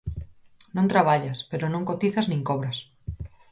Non traballas, pero non cotizas nin cobras.